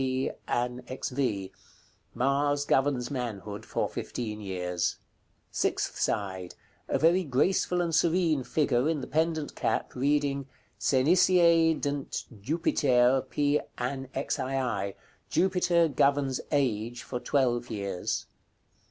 P. AN. XV." Mars governs manhood for fifteen years. Sixth side. A very graceful and serene figure, in the pendent cap, reading. "SENICIE DNT JUPITER, P. ANN. XII." Jupiter governs age for twelve years.